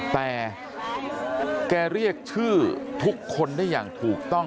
แต่แกเรียกชื่อทุกคนได้อย่างถูกต้อง